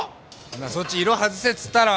そっち色外せって言ったろ！